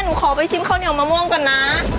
ขอไปชิมข้าวเหนียวมะม่วงก่อนนะ